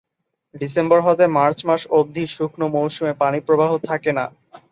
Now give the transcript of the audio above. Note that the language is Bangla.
ডিসেম্বর হতে মার্চ মাস অবধি শুকনো মৌসুমে পানিপ্রবাহ থাকে না।